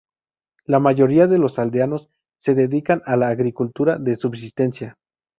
La mayoría de los aldeanos se dedican a la agricultura de subsistencia.